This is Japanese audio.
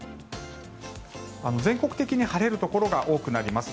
全国的に晴れるところが多くなります。